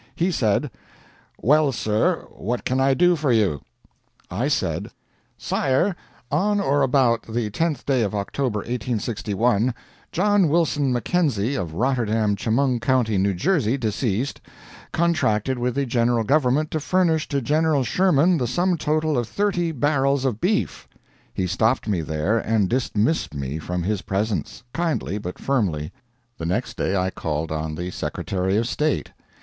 He said, "Well, sir, what can I do for you?" I said, "Sire, on or about the 10th day of October, 1861, John Wilson Mackenzie, of Rotterdam, Chemung County, New Jersey, deceased, contracted with the General Government to furnish to General Sherman the sum total of thirty barrels of beef " He stopped me there, and dismissed me from his presence kindly, but firmly. The next day I called on the Secretary of State.